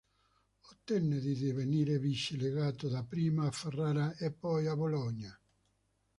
Ottenne di divenire Vice-Legato dapprima a Ferrara e poi a Bologna.